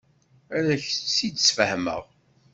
Ad ak-tt-id-sfehmeɣ.